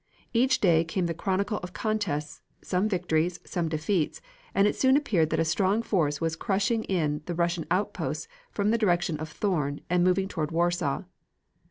Each day came the chronicle of contests, some victories, some defeats, and it soon appeared that a strong force was crushing in the Russian outposts from the direction of Thorn and moving toward Warsaw.